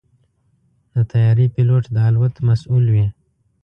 د طیارې پيلوټ د الوت مسؤل وي.